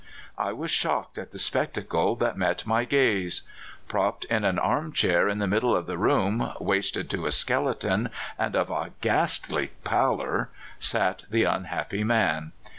I was shocked at the spec tacle that met my gaze. Propped in an armchair in the middle of the room, wasted to a skeleton, and of a ghastly pallor, sat the unhappy man.